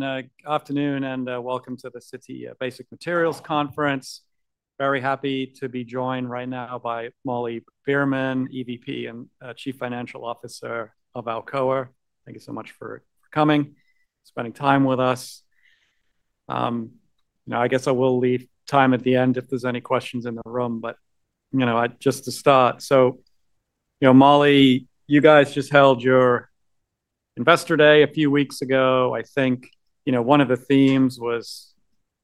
Good afternoon and welcome to the Citi Basic Materials Conference. Very happy to be joined right now by Molly Beerman, EVP and Chief Financial Officer of Alcoa. Thank you so much for coming, spending time with us. I guess I will leave time at the end if there's any questions in the room, but just to start, so Molly, you guys just held your Investor Day a few weeks ago. I think one of the themes was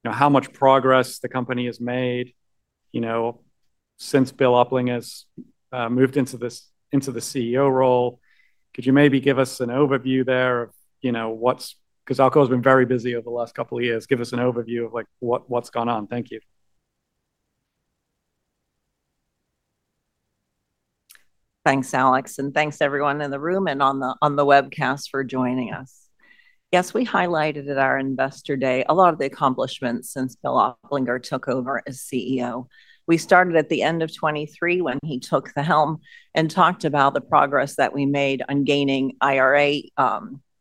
how much progress the company has made since Bill Oplinger has moved into the CEO role. Could you maybe give us an overview there of what's, because Alcoa has been very busy over the last couple of years, give us an overview of what's gone on? Thank you. Thanks, Alex, and thanks to everyone in the room and on the webcast for joining us. Yes, we highlighted at our Investor Day a lot of the accomplishments since Bill Oplinger took over as CEO. We started at the end of 2023 when he took the helm and talked about the progress that we made on gaining IRA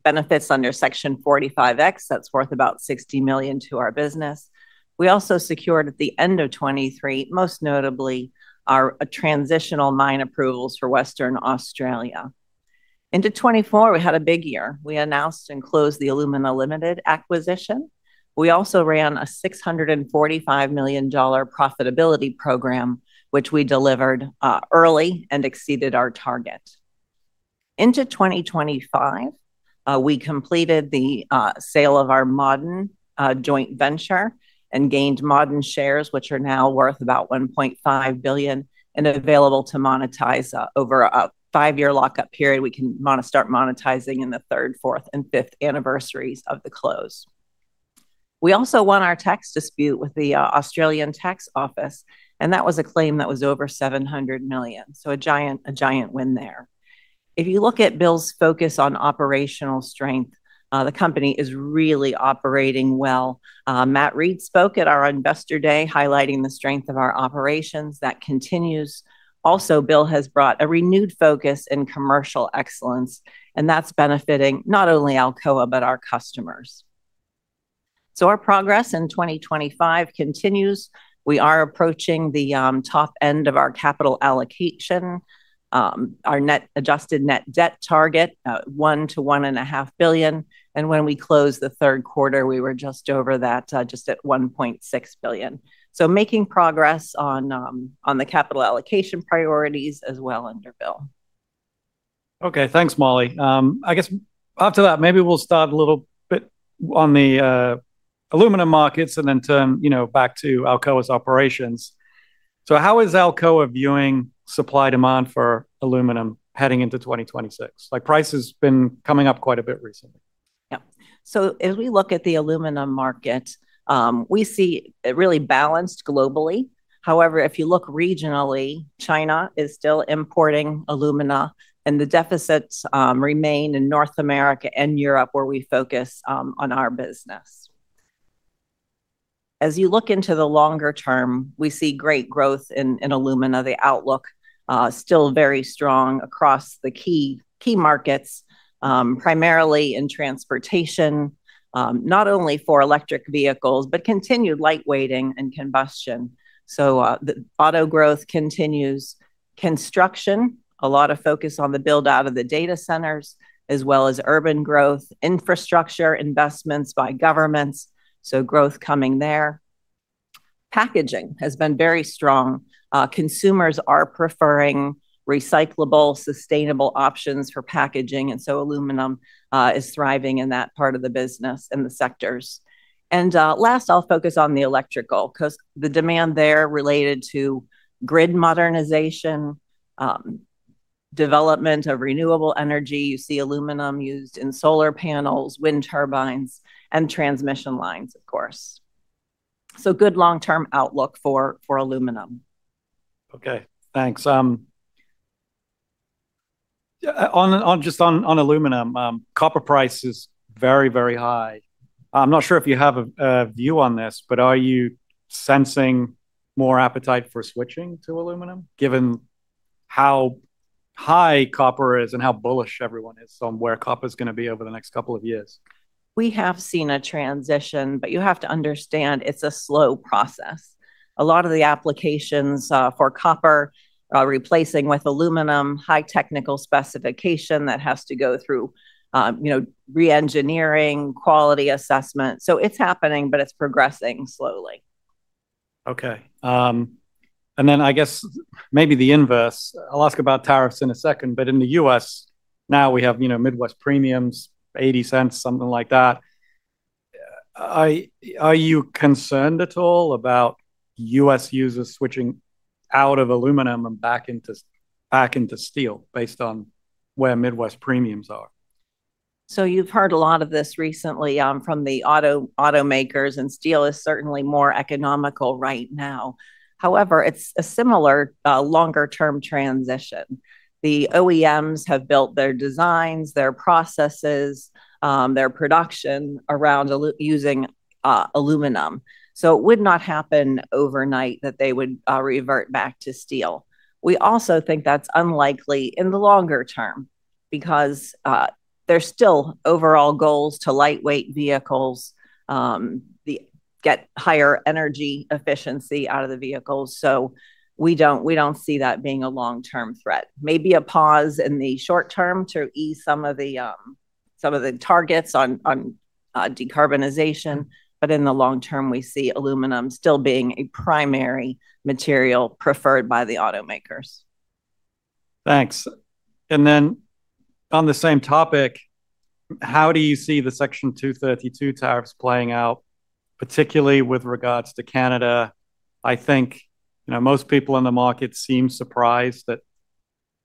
benefits under Section 45X that's worth about $60 million to our business. We also secured at the end of 2023, most notably our transitional mine approvals for Western Australia. Into 2024, we had a big year. We announced and closed the Alumina Limited acquisition. We also ran a $645 million profitability program, which we delivered early and exceeded our target. Into 2025, we completed the sale of our Ma'aden joint venture and gained Ma'aden shares, which are now worth about $1.5 billion and available to monetize over a five-year lockup period. We can start monetizing in the third, fourth, and fifth anniversaries of the close. We also won our tax dispute with the Australian Taxation Office, and that was a claim that was over $700 million, so a giant win there. If you look at Bill's focus on operational strength, the company is really operating well. Matt Reed spoke at our Investor Day highlighting the strength of our operations that continues. Also, Bill has brought a renewed focus in commercial excellence, and that's benefiting not only Alcoa but our customers, so our progress in 2025 continues. We are approaching the top end of our capital allocation, our adjusted net debt target, $1 billion-$1.5 billion, and when we closed the third quarter, we were just over that, just at $1.6 billion, so making progress on the capital allocation priorities as well under Bill. Okay, thanks, Molly. I guess after that, maybe we'll start a little bit on the aluminum markets and then turn back to Alcoa's operations. So how is Alcoa viewing supply demand for aluminum heading into 2026? Price has been coming up quite a bit recently. Yeah. So as we look at the aluminum market, we see it really balanced globally. However, if you look regionally, China is still importing alumina, and the deficits remain in North America and Europe where we focus on our business. As you look into the longer term, we see great growth in alumina. The outlook is still very strong across the key markets, primarily in transportation, not only for electric vehicles, but continued lightweighting and combustion. So the auto growth continues. Construction, a lot of focus on the build-out of the data centers, as well as urban growth, infrastructure investments by governments, so growth coming there. Packaging has been very strong. Consumers are preferring recyclable, sustainable options for packaging, and so aluminum is thriving in that part of the business and the sectors. And last, I'll focus on the electrical because the demand there is related to grid modernization, development of renewable energy. You see aluminum used in solar panels, wind turbines, and transmission lines, of course. So good long-term outlook for aluminum. Okay, thanks. Just on aluminum, copper price is very, very high. I'm not sure if you have a view on this, but are you sensing more appetite for switching to aluminum given how high copper is and how bullish everyone is on where copper is going to be over the next couple of years? We have seen a transition, but you have to understand it's a slow process. A lot of the applications for copper are replacing with aluminum, high technical specification that has to go through re-engineering, quality assessment. So it's happening, but it's progressing slowly. Okay. And then I guess maybe the inverse. I'll ask about tariffs in a second, but in the U.S., now we have Midwest premiums, $0.80, something like that. Are you concerned at all about U.S. users switching out of aluminum and back into steel based on where Midwest premiums are? So you've heard a lot of this recently from the automakers, and steel is certainly more economical right now. However, it's a similar longer-term transition. The OEMs have built their designs, their processes, their production around using aluminum. So it would not happen overnight that they would revert back to steel. We also think that's unlikely in the longer term because there's still overall goals to lightweight vehicles, get higher energy efficiency out of the vehicles. So we don't see that being a long-term threat. Maybe a pause in the short term to ease some of the targets on decarbonization, but in the long term, we see aluminum still being a primary material preferred by the automakers. Thanks. And then on the same topic, how do you see the Section 232 tariffs playing out, particularly with regards to Canada? I think most people in the market seem surprised that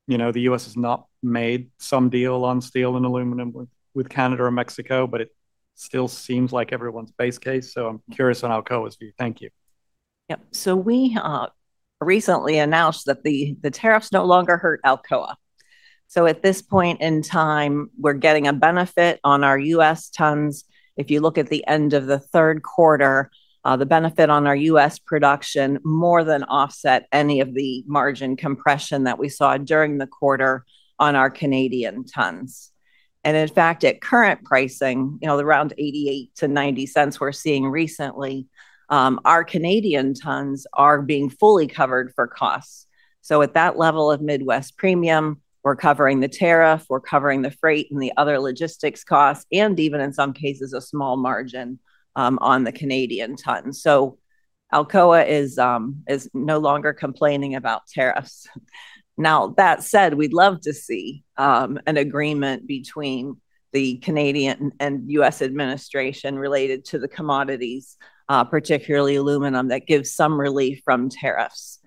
the U.S. has not made some deal on steel and aluminum with Canada or Mexico, but it still seems like everyone's base case. So I'm curious on Alcoa's view. Thank you. Yep. So we recently announced that the tariffs no longer hurt Alcoa. So at this point in time, we're getting a benefit on our U.S. tons. If you look at the end of the third quarter, the benefit on our U.S. production more than offset any of the margin compression that we saw during the quarter on our Canadian tons. And in fact, at current pricing, around $0.88-$0.90 we're seeing recently, our Canadian tons are being fully covered for costs. So at that level of Midwest premium, we're covering the tariff, we're covering the freight and the other logistics costs, and even in some cases, a small margin on the Canadian tons. So Alcoa is no longer complaining about tariffs. Now, that said, we'd love to see an agreement between the Canadian and U.S. administration related to the commodities, particularly aluminum, that gives some relief from tariffs.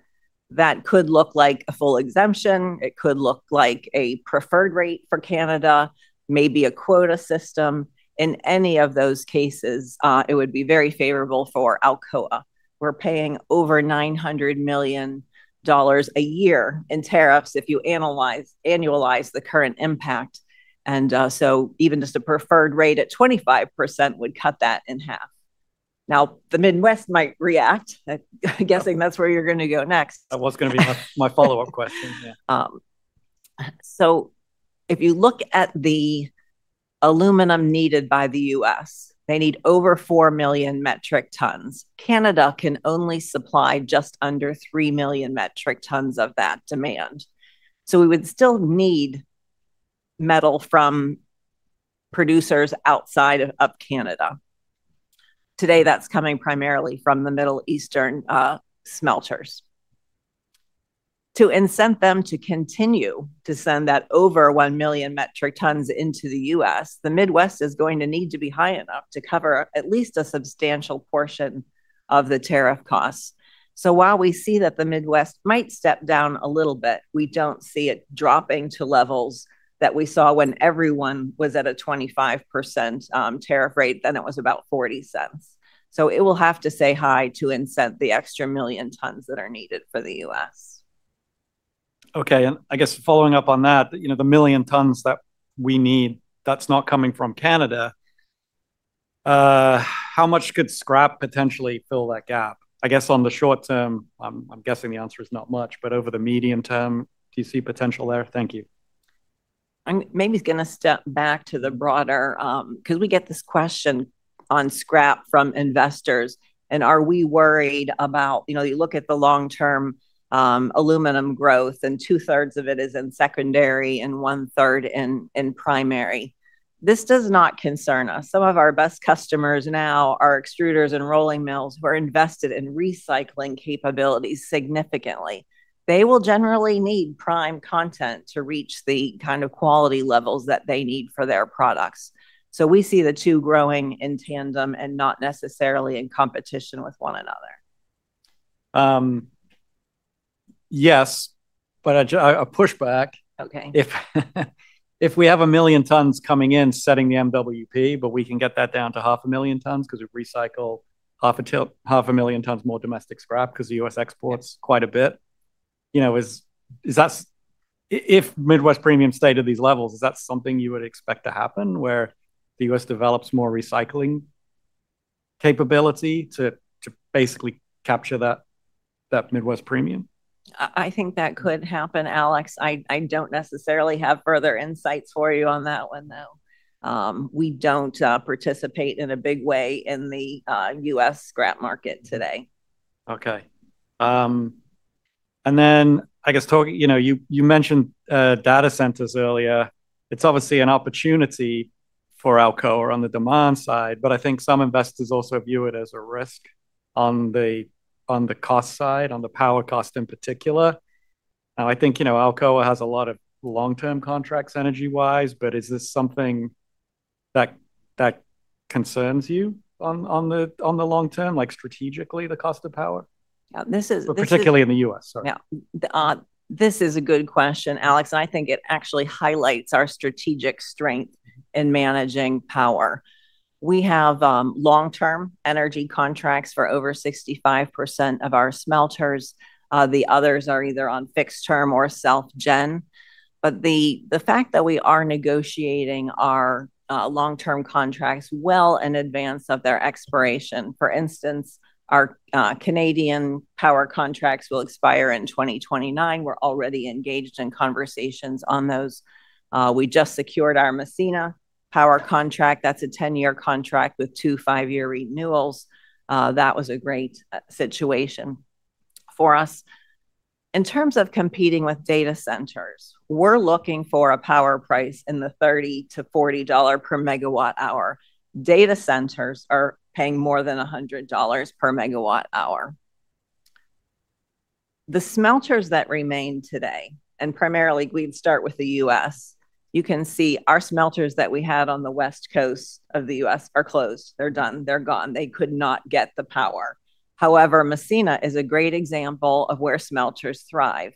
That could look like a full exemption. It could look like a preferred rate for Canada, maybe a quota system. In any of those cases, it would be very favorable for Alcoa. We're paying over $900 million a year in tariffs if you annualize the current impact. And so even just a preferred rate at 25% would cut that in half. Now, the Midwest might react. I'm guessing that's where you're going to go next. That was going to be my follow-up question. Yeah. If you look at the aluminum needed by the U.S., they need over four million metric tons. Canada can only supply just under three million metric tons of that demand. We would still need metal from producers outside of Canada. Today, that's coming primarily from the Middle Eastern smelters. To incent them to continue to send that over one million metric tons into the U.S., the Midwest is going to need to be high enough to cover at least a substantial portion of the tariff costs. While we see that the Midwest might step down a little bit, we don't see it dropping to levels that we saw when everyone was at a 25% tariff rate. Then it was about $0.40. It will have to stay high to incent the extra million tons that are needed for the U.S. Okay. I guess following up on that, the million tons that we need, that's not coming from Canada. How much could scrap potentially fill that gap? I guess on the short term, I'm guessing the answer is not much, but over the medium term, do you see potential there? Thank you. Maybe I was going to step back to the broader because we get this question on scrap from investors, and are we worried about, you know, you look at the long-term aluminum growth and two-thirds of it is in secondary and one-third in primary. This does not concern us. Some of our best customers now are extruders and rolling mills who are invested in recycling capabilities significantly. They will generally need prime content to reach the kind of quality levels that they need for their products, so we see the two growing in tandem and not necessarily in competition with one another. Yes, but a pushback. If we have 1 million tons coming in, setting the Midwest Premium, but we can get that down to 500,000 tons because we recycle 500,000 tons more domestic scrap because the U.S. exports quite a bit, if Midwest Premium stayed at these levels, is that something you would expect to happen where the U.S. develops more recycling capability to basically capture that Midwest Premium? I think that could happen, Alex. I don't necessarily have further insights for you on that one, though. We don't participate in a big way in the U.S. scrap market today. Okay. And then I guess you mentioned data centers earlier. It's obviously an opportunity for Alcoa on the demand side, but I think some investors also view it as a risk on the cost side, on the power cost in particular. Now, I think Alcoa has a lot of long-term contracts energy-wise, but is this something that concerns you on the long term, like strategically the cost of power? Particularly in the U.S.? This is a good question, Alex. I think it actually highlights our strategic strength in managing power. We have long-term energy contracts for over 65% of our smelters. The others are either on fixed term or self-gen. But the fact that we are negotiating our long-term contracts well in advance of their expiration. For instance, our Canadian power contracts will expire in 2029. We're already engaged in conversations on those. We just secured our Massena power contract. That's a 10-year contract with two five-year renewals. That was a great situation for us. In terms of competing with data centers, we're looking for a power price in the $30-$40 per MWh. Data centers are paying more than $100 per MWh. The smelters that remain today, and primarily we'd start with the U.S., you can see our smelters that we had on the West Coast of the U.S. are closed. They're done. They're gone. They could not get the power. However, Massena is a great example of where smelters thrive.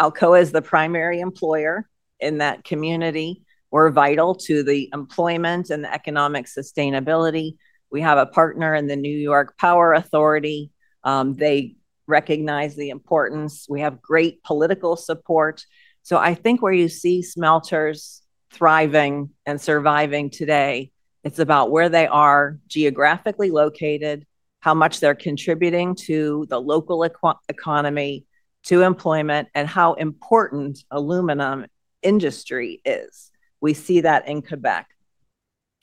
Alcoa is the primary employer in that community. We're vital to the employment and the economic sustainability. We have a partner in the New York Power Authority. They recognize the importance. We have great political support. So I think where you see smelters thriving and surviving today, it's about where they are geographically located, how much they're contributing to the local economy, to employment, and how important aluminum industry is. We see that in Quebec,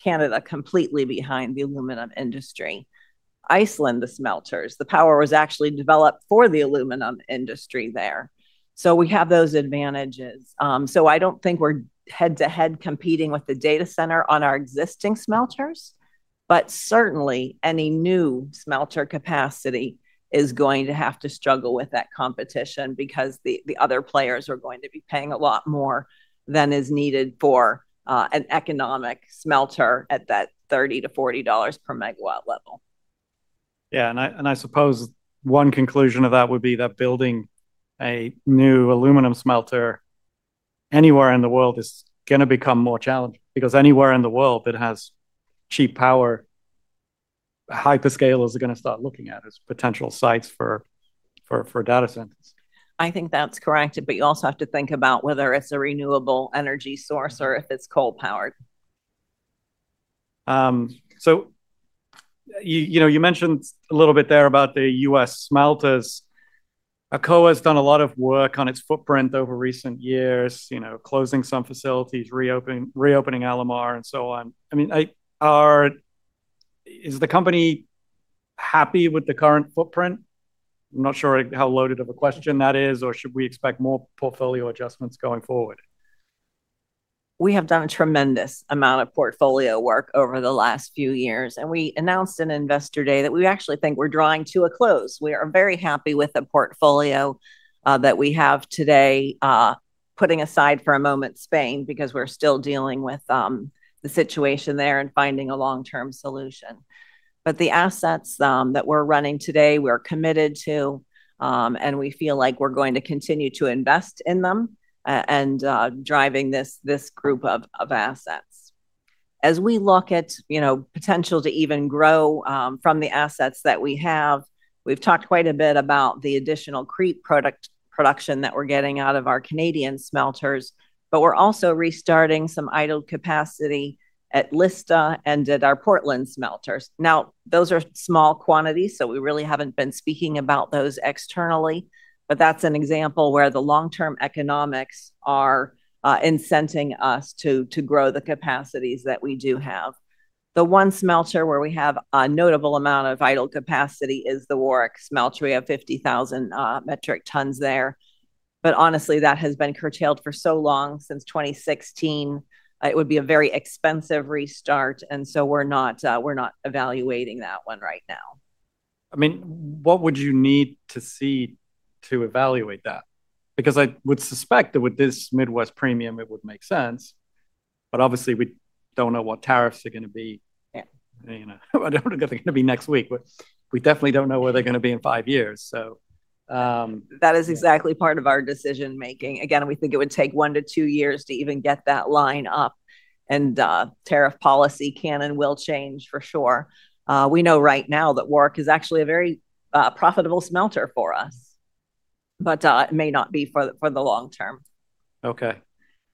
Canada completely behind the aluminum industry. Iceland, the smelters, the power was actually developed for the aluminum industry there. So we have those advantages. So I don't think we're head-to-head competing with the data center on our existing smelters, but certainly any new smelter capacity is going to have to struggle with that competition because the other players are going to be paying a lot more than is needed for an economic smelter at that $30-$40 per megawatt level. Yeah, and I suppose one conclusion of that would be that building a new aluminum smelter anywhere in the world is going to become more challenged because anywhere in the world that has cheap power, hyperscalers are going to start looking at as potential sites for data centers. I think that's correct, but you also have to think about whether it's a renewable energy source or if it's coal-powered. So you mentioned a little bit there about the US smelters. Alcoa has done a lot of work on its footprint over recent years, closing some facilities, reopening Alumar, and so on. I mean, is the company happy with the current footprint? I'm not sure how loaded of a question that is, or should we expect more portfolio adjustments going forward? We have done a tremendous amount of portfolio work over the last few years, and we announced in Investor Day that we actually think we're drawing to a close. We are very happy with the portfolio that we have today, putting aside for a moment Spain because we're still dealing with the situation there and finding a long-term solution, but the assets that we're running today, we're committed to, and we feel like we're going to continue to invest in them and driving this group of assets. As we look at potential to even grow from the assets that we have, we've talked quite a bit about the additional creep production that we're getting out of our Canadian smelters, but we're also restarting some idle capacity at Lista and at our Portland smelters. Now, those are small quantities, so we really haven't been speaking about those externally, but that's an example where the long-term economics are incenting us to grow the capacities that we do have. The one smelter where we have a notable amount of idle capacity is the Warrick smelter. We have 50,000 metric tons there. But honestly, that has been curtailed for so long since 2016. It would be a very expensive restart, and so we're not evaluating that one right now. I mean, what would you need to see to evaluate that? Because I would suspect that with this Midwest Premium, it would make sense, but obviously, we don't know what tariffs are going to be. I don't know what they're going to be next week, but we definitely don't know where they're going to be in five years. That is exactly part of our decision-making. Again, we think it would take one to two years to even get that line up, and tariff policy can and will change for sure. We know right now that Warrick is actually a very profitable smelter for us, but it may not be for the long term. Okay.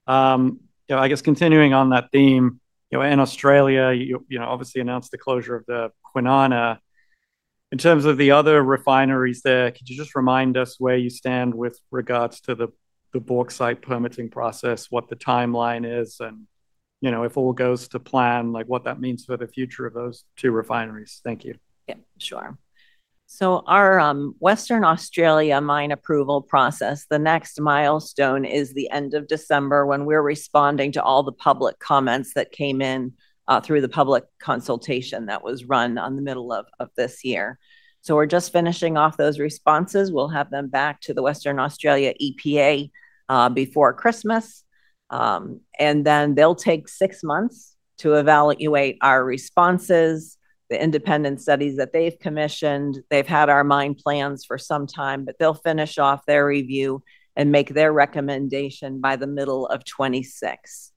I guess continuing on that theme, in Australia, you obviously announced the closure of the Kwinana. In terms of the other refineries there, could you just remind us where you stand with regards to the bauxite permitting process, what the timeline is, and if all goes to plan, what that means for the future of those two refineries? Thank you. Yeah, sure. So our Western Australia mine approval process, the next milestone is the end of December when we're responding to all the public comments that came in through the public consultation that was run on the middle of this year. So we're just finishing off those responses. We'll have them back to the Western Australia EPA before Christmas. And then they'll take six months to evaluate our responses, the independent studies that they've commissioned. They've had our mine plans for some time, but they'll finish off their review and make their recommendation by the middle of 2026.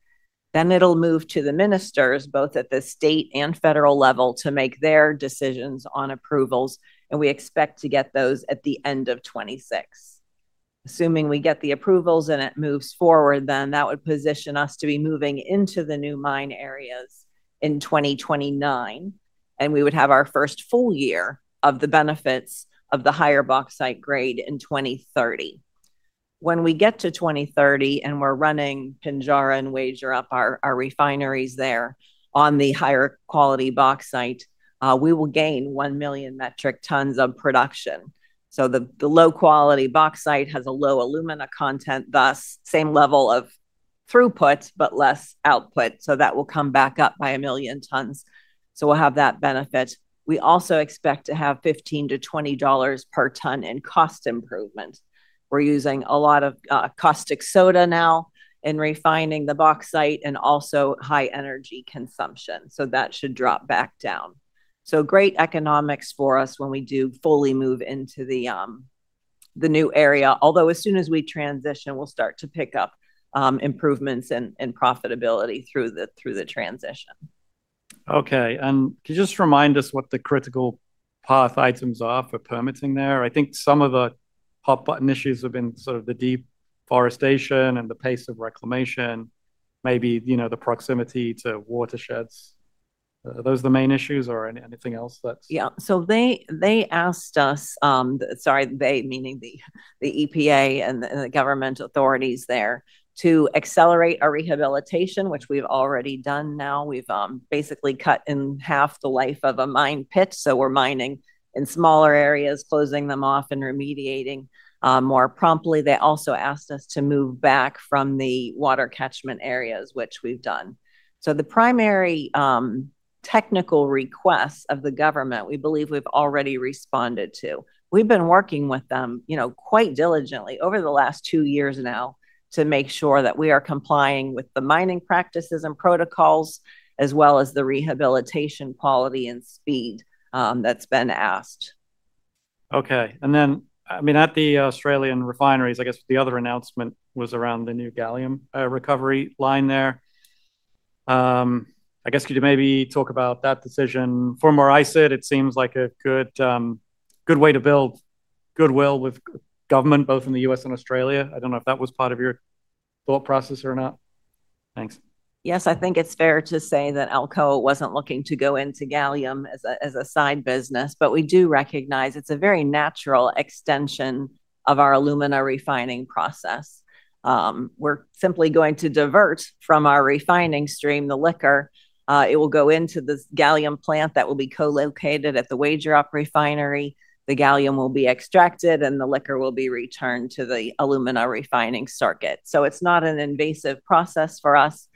Then it'll move to the ministers, both at the state and federal level, to make their decisions on approvals, and we expect to get those at the end of 2026. Assuming we get the approvals and it moves forward, then that would position us to be moving into the new mine areas in 2029, and we would have our first full year of the benefits of the higher bauxite grade in 2030. When we get to 2030 and we're running Pinjarra, Wagerup, our refineries there on the higher quality bauxite, we will gain one million metric tons of production, so the low quality bauxite has a low alumina content, thus same level of throughput, but less output, so that will come back up by one million tons, so we'll have that benefit. We also expect to have $15-$20 per ton in cost improvement. We're using a lot of caustic soda now in refining the bauxite and also high energy consumption, so that should drop back down. So great economics for us when we do fully move into the new area, although as soon as we transition, we'll start to pick up improvements in profitability through the transition. Okay. And can you just remind us what the critical path items are for permitting there? I think some of the hot button issues have been sort of the deforestation and the pace of reclamation, maybe the proximity to watersheds. Are those the main issues or anything else that? Yeah. So they asked us, sorry, they, meaning the EPA and the government authorities there, to accelerate our rehabilitation, which we've already done now. We've basically cut in half the life of a mine pit. So we're mining in smaller areas, closing them off and remediating more promptly. They also asked us to move back from the water catchment areas, which we've done. So the primary technical requests of the government, we believe we've already responded to. We've been working with them quite diligently over the last two years now to make sure that we are complying with the mining practices and protocols, as well as the rehabilitation quality and speed that's been asked. Okay. And then, I mean, at the Australian refineries, I guess the other announcement was around the new gallium recovery line there. I guess could you maybe talk about that decision? For the EPA, it seems like a good way to build goodwill with government, both in the U.S. and Australia. I don't know if that was part of your thought process or not. Thanks. Yes, I think it's fair to say that Alcoa wasn't looking to go into gallium as a side business, but we do recognize it's a very natural extension of our alumina refining process. We're simply going to divert from our refining stream, the liquor. It will go into the gallium plant that will be co-located at the Wagerup refinery. The gallium will be extracted, and the liquor will be returned to the alumina refining circuit. So it's not an invasive process for us,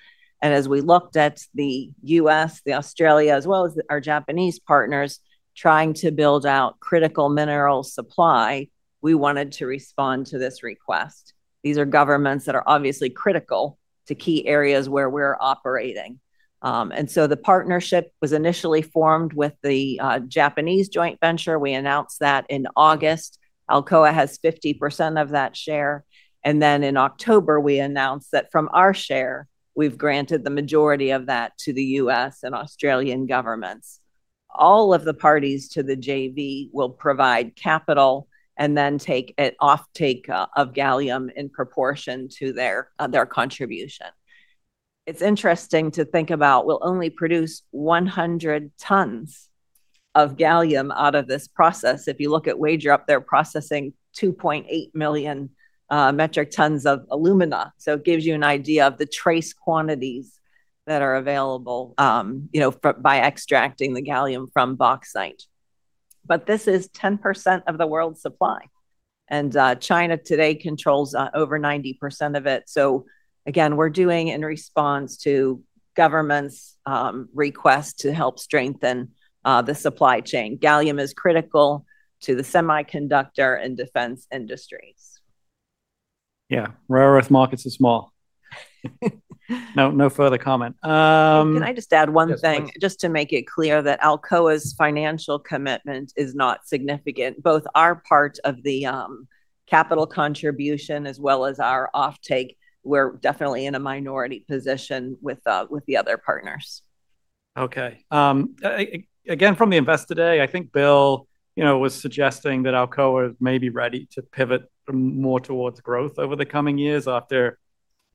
and as we looked at the U.S., the Australia, as well as our Japanese partners trying to build out critical mineral supply, we wanted to respond to this request. These are governments that are obviously critical to key areas where we're operating, and so the partnership was initially formed with the Japanese joint venture. We announced that in August. Alcoa has 50% of that share. And then in October, we announced that from our share, we've granted the majority of that to the U.S. and Australian governments. All of the parties to the JV will provide capital and then take an offtake of gallium in proportion to their contribution. It's interesting to think about we'll only produce 100 tons of gallium out of this process. If you look at Wagerup, they're processing 2.8 million metric tons of alumina. So it gives you an idea of the trace quantities that are available by extracting the gallium from bauxite. But this is 10% of the world's supply. And China today controls over 90% of it. So again, we're doing in response to government's request to help strengthen the supply chain. Gallium is critical to the semiconductor and defense industries. Yeah, rare earth markets are small. No further comment. Can I just add one thing? Just to make it clear that Alcoa's financial commitment is not significant. Both our part of the capital contribution as well as our offtake, we're definitely in a minority position with the other partners. Okay. Again, from the investor day, I think Bill was suggesting that Alcoa may be ready to pivot more towards growth over the coming years after,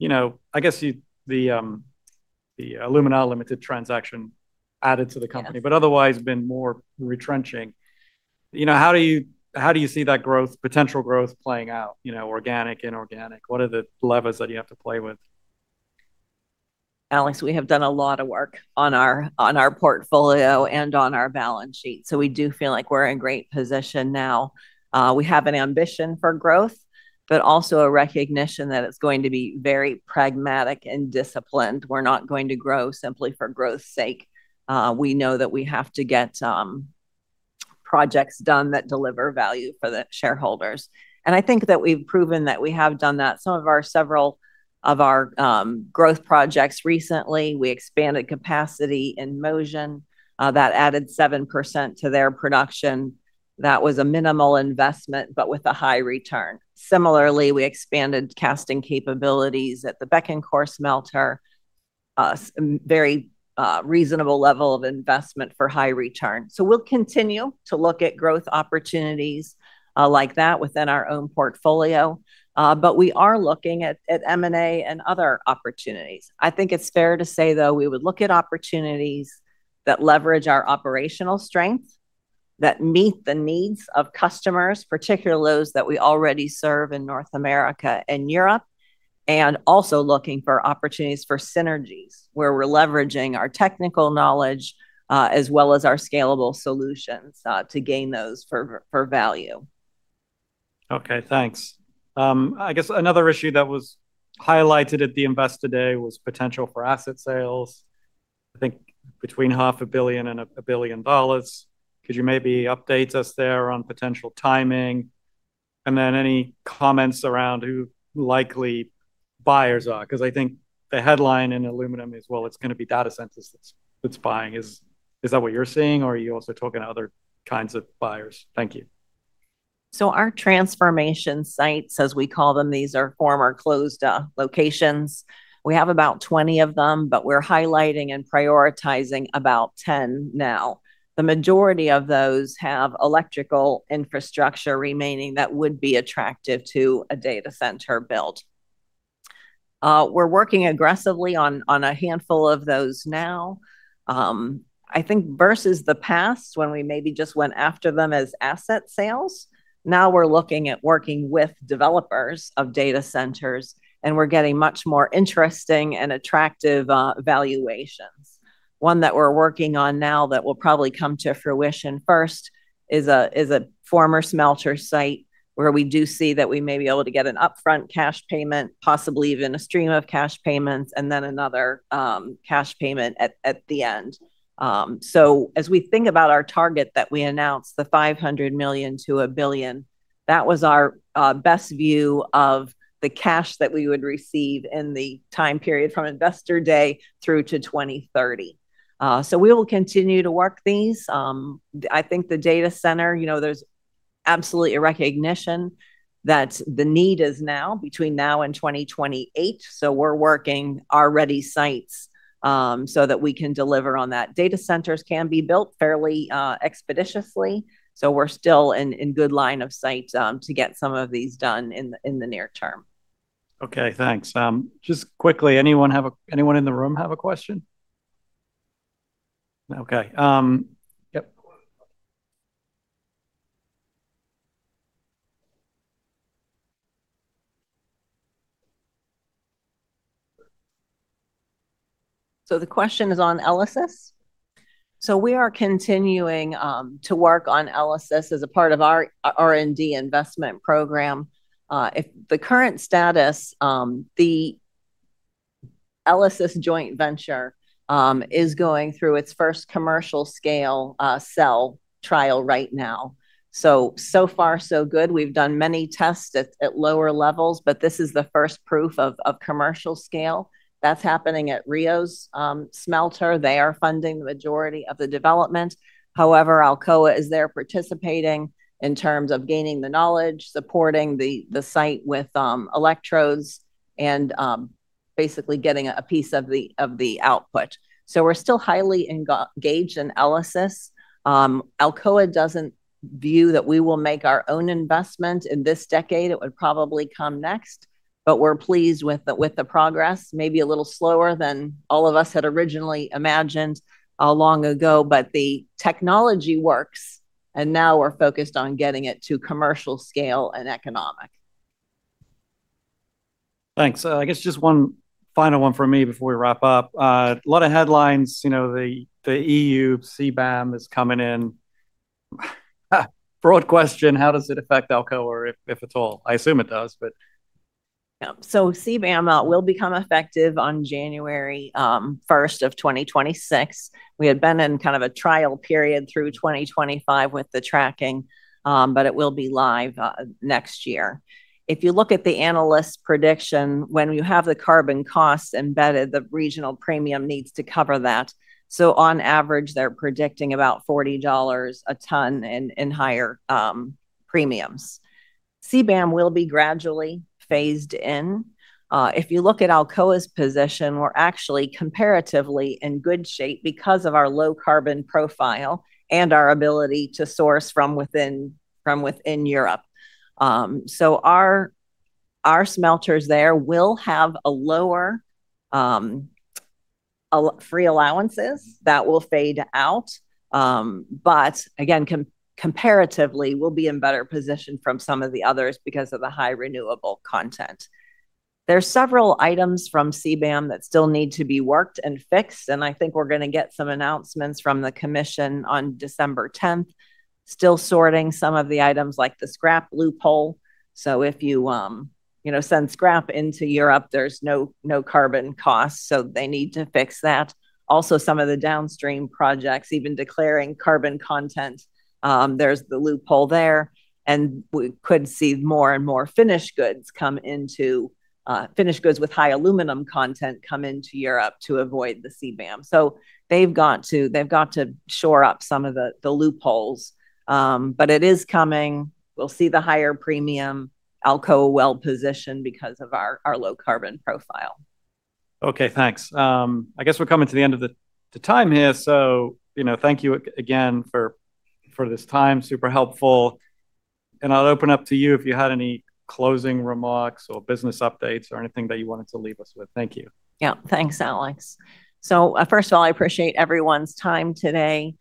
I guess, the Alumina Limited transaction added to the company, but otherwise been more retrenching. How do you see that growth, potential growth playing out, organic, inorganic? What are the levers that you have to play with? Alex, we have done a lot of work on our portfolio and on our balance sheet. So we do feel like we're in great position now. We have an ambition for growth, but also a recognition that it's going to be very pragmatic and disciplined. We're not going to grow simply for growth's sake. We know that we have to get projects done that deliver value for the shareholders. And I think that we've proven that we have done that. Some of our growth projects recently, we expanded capacity in Mosjøen. That added 7% to their production. That was a minimal investment, but with a high return. Similarly, we expanded casting capabilities at the Bécancour smelter. Very reasonable level of investment for high return. So we'll continue to look at growth opportunities like that within our own portfolio, but we are looking at M&A and other opportunities. I think it's fair to say, though, we would look at opportunities that leverage our operational strengths, that meet the needs of customers, particularly those that we already serve in North America and Europe, and also looking for opportunities for synergies where we're leveraging our technical knowledge as well as our scalable solutions to gain those for value. Okay, thanks. I guess another issue that was highlighted at the investor day was potential for asset sales, I think between $500 million and $1 billion. Could you maybe update us there on potential timing? And then any comments around who likely buyers are? Because I think the headline in aluminum is, well, it's going to be data centers that's buying. Is that what you're seeing, or are you also talking to other kinds of buyers? Thank you. Our transformation sites, as we call them, these are former closed locations. We have about 20 of them, but we're highlighting and prioritizing about 10 now. The majority of those have electrical infrastructure remaining that would be attractive to a data center build. We're working aggressively on a handful of those now. I think versus the past when we maybe just went after them as asset sales, now we're looking at working with developers of data centers, and we're getting much more interesting and attractive valuations. One that we're working on now that will probably come to fruition first is a former smelter site where we do see that we may be able to get an upfront cash payment, possibly even a stream of cash payments, and then another cash payment at the end. So as we think about our target that we announced, the $500 million to $1 billion, that was our best view of the cash that we would receive in the time period from investor day through to 2030. So we will continue to work these. I think the data center, there's absolutely a recognition that the need is now between now and 2028. So we're working already sites so that we can deliver on that. Data centers can be built fairly expeditiously. So we're still in good line of sight to get some of these done in the near term. Okay, thanks. Just quickly, anyone in the room have a question? Okay. The question is on ELYSIS. We are continuing to work on ELYSIS as a part of our R&D investment program. The current status, the ELYSIS joint venture is going through its first commercial scale cell trial right now. So far, so good. We've done many tests at lower levels, but this is the first proof of commercial scale. That's happening at Rio's smelter. They are funding the majority of the development. However, Alcoa is there participating in terms of gaining the knowledge, supporting the site with electrodes, and basically getting a piece of the output. So we're still highly engaged in ELYSIS. Alcoa doesn't view that we will make our own investment in this decade. It would probably come next, but we're pleased with the progress. Maybe a little slower than all of us had originally imagined long ago, but the technology works, and now we're focused on getting it to commercial scale and economic. Thanks. I guess just one final one for me before we wrap up. A lot of headlines. The EU CBAM is coming in. Broad question, how does it affect Alcoa, if at all? I assume it does, but. So CBAM will become effective on January 1st of 2026. We had been in kind of a trial period through 2025 with the tracking, but it will be live next year. If you look at the analyst prediction, when you have the carbon costs embedded, the regional premium needs to cover that. So on average, they're predicting about $40 a ton and higher premiums. CBAM will be gradually phased in. If you look at Alcoa's position, we're actually comparatively in good shape because of our low carbon profile and our ability to source from within Europe. So our smelters there will have lower free allowances that will fade out. But again, comparatively, we'll be in better position from some of the others because of the high renewable content. There are several items from CBAM that still need to be worked and fixed. I think we're going to get some announcements from the commission on December 10th. Still sorting some of the items like the scrap loophole. If you send scrap into Europe, there's no carbon cost. They need to fix that. Also, some of the downstream projects, even declaring carbon content, there's the loophole there. We could see more and more finished goods come into finished goods with high aluminum content come into Europe to avoid the CBAM. They've got to shore up some of the loopholes. It is coming. We'll see the higher premium. Alcoa well positioned because of our low carbon profile. Okay, thanks. I guess we're coming to the end of the time here, so thank you again for this time. Super helpful, and I'll open up to you if you had any closing remarks or business updates or anything that you wanted to leave us with? Thank you. Yeah, thanks, Alex. So first of all, I appreciate everyone's time today.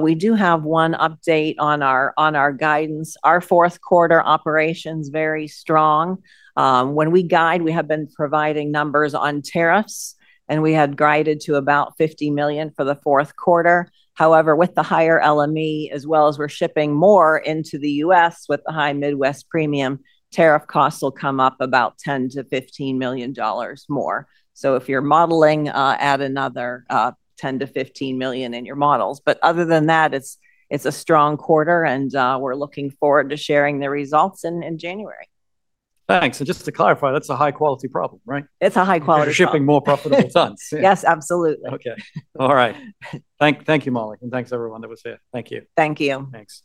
We do have one update on our guidance. Our fourth quarter operations are very strong. When we guide, we have been providing numbers on tariffs, and we had guided to about $50 million for the fourth quarter. However, with the higher LME, as well as we're shipping more into the U.S. with the high Midwest premium, tariff costs will come up about $10 million-$15 million more. So if you're modeling, add another $10-$15 million in your models. But other than that, it's a strong quarter, and we're looking forward to sharing the results in January. Thanks. And just to clarify, that's a high-quality problem, right? It's a high-quality problem. You're shipping more profitable tons. Yes, absolutely. Okay. All right. Thank you, Molly. And thanks everyone that was here. Thank you. Thank you. Thanks.